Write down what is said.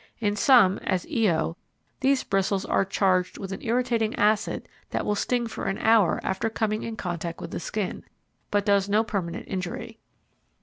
In some, as Io, these bristles are charged with an irritating acid that will sting for an hour after coming in contact with the skin, but does no permanent injury.